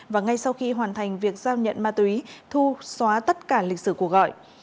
và ngay sau khi hoàn thành việc giao nhận ma túy thu xóa tất cả lịch sử của gọi